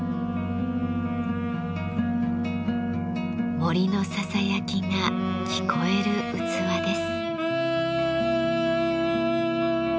森のささやきが聞こえる器です。